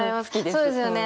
そうですよね。